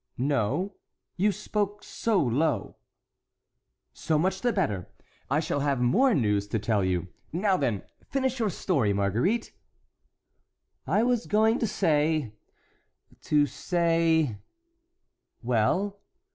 "No; you spoke so low." "So much the better. I shall have more news to tell you. Now, then, finish your story, Marguerite." "I was going to say—to say"— "Well?"